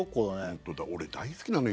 ホントだ俺大好きなんだ